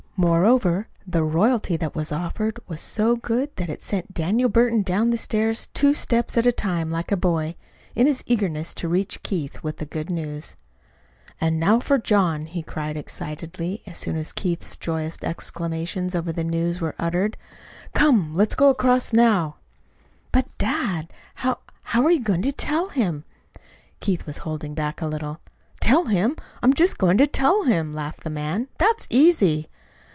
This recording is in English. Moreover, the royalty they offered was so good that it sent Daniel Burton down the stairs two steps at a time like a boy, in his eagerness to reach Keith with the good news. "And now for John!" he cried excitedly, as soon as Keith's joyous exclamations over the news were uttered. "Come, let's go across now." "But, dad, how how are you going to tell him?" Keith was holding back a little. "Tell him! I'm just going to tell him," laughed the man. "That's easy."